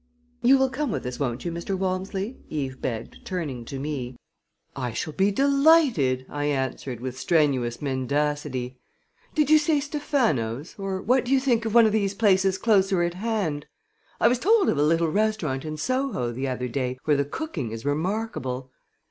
"You will come with us, won't you, Mr. Walmsley?" Eve begged, turning to me. "I shall be delighted," I answered, with strenuous mendacity. "Did you say Stephano's, or what do you think of one of these places closer at hand? I was told of a little restaurant in Soho the other day, where the cooking is remarkable."